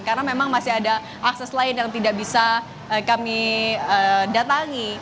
karena memang masih ada akses lain yang tidak bisa kami datangi